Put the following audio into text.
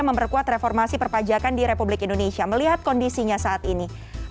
memperkuat reformasi perpajakan di republik indonesia melihat kondisinya saat ini